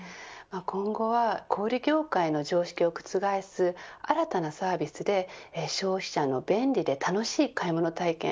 今後は小売り業界の常識を覆す新たなサービスで消費者の便利で楽しい買い物体験